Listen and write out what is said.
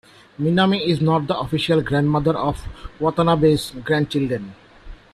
Minami is not the official grandmother of Watanabe's grandchildren.